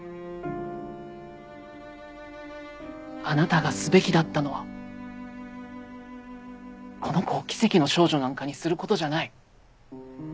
あなたがすべきだったのはこの子を奇跡の少女なんかにすることじゃない。